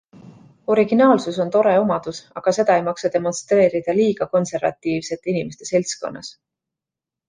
Originaalsus on tore omadus, aga seda ei maksa demonstreerida liiga konservatiivsete inimeste seltskonnas.